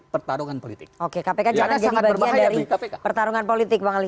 pertarungan politik oke kpk jangan sangat berbahaya di kpk pertarungan politik bang ali